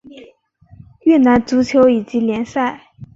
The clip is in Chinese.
越南足球乙级联赛。